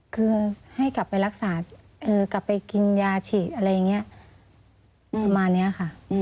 คือให้กลับไปรักษากลับไปกินยาฉีดอะไรอย่างนี้ประมาณนี้ค่ะ